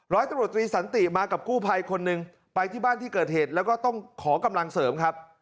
ร้อยตำรวจตรีสันติมากับกู้ภัยคนหนึ่งไปที่บ้านที่เกิดเหตุแล้วก็ต้องขอกำลังเสริมครับ